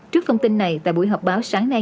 trước thông tin này tại buổi họp báo sáng nay